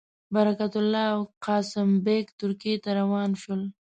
برکت الله او قاسم بېګ ترکیې ته روان شول.